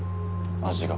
味が。